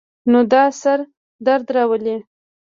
نو دا سر درد راولی